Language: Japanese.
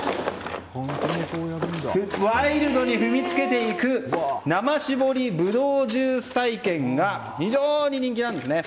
ワイルドに踏みつけていく生搾りブドウジュース作り体験が非常に人気なんですね。